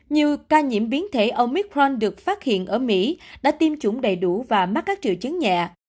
nhiều ca nhiễm biến thể omicron được phát hiện ở mỹ đã tiêm chủng đầy đủ và mắc các triệu chứng nhẹ